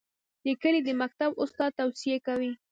د کلي د مکتب استاد توصیې کوي.